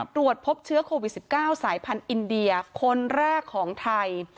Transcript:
ตรวจพบเชื้อโควิด๑๙สายพันธุ์อินเดียคนแรกของไทย